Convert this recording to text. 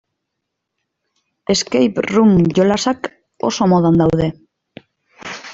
Escape-room jolasak oso modan daude.